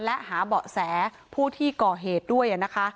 และหาเบาะแสผู้ที่ก่อเหตุด้วยนะคะ